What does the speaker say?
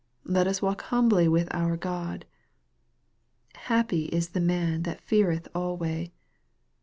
Let us walk humbly with our God. " Happy is the man that feareth alway."